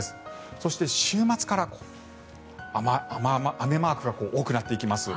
そして、週末から雨マークが多くなっていきます。